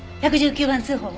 １１９番通報を。